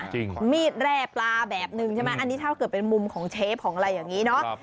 มีดแร่ปลาแบบนึงใช่ไหมอันนี้ถ้าเกิดเป็นมุมของเชฟของอะไรอย่างนี้เนาะ